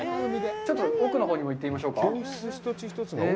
ちょっと奥のほうにも行ってみましょうか。